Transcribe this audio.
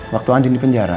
waktu andi di penjara